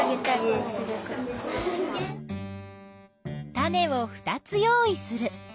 種を２つ用意する。